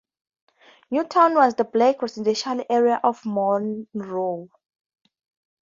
Newtown was the black residential area of Monroe.